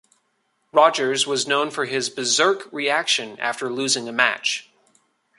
Rogers was known for his berserk reaction after losing a match.